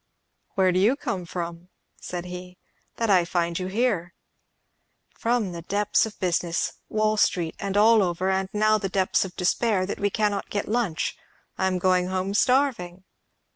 "Where do you come from," said he, "that I find you here?" "From the depths of business Wall Street and all over; and now the depths of despair, that we cannot get lunch. I am going home starving."